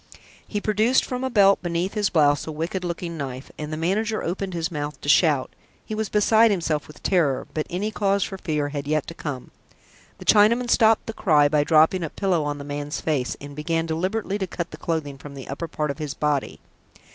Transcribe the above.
He produced from a belt beneath his blouse a wicked looking knife, and the manager opened his mouth to shout. He was beside himself with terror, but any cause for fear had yet to come. The Chinaman stopped the cry by dropping a pillow on the man's face, and began deliberately to cut the clothing on the upper part of his body.